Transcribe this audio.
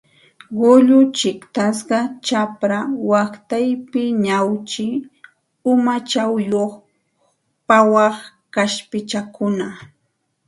Kullu chiqtasqa, chapra waqtaypi ñawchi umachayuq pawaq kaspichakuna